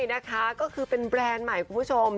นะคะก็คือเป็นแบรนด์ใหม่คุณผู้ชม